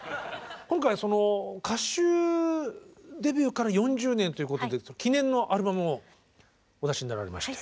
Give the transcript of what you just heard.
今回はその歌手デビューから４０年ということで記念のアルバムをお出しになられまして。